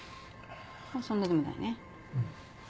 そんなでもないね。